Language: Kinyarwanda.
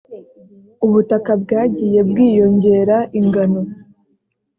ubutaka bwagiye bwiyongera ingano